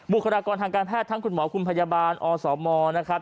คลากรทางการแพทย์ทั้งคุณหมอคุณพยาบาลอสมนะครับ